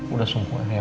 udah sungguhan ya